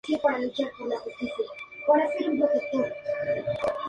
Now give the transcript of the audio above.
El músico melómano, apunta y describe la elipsis de su realidad relativamente aceptada.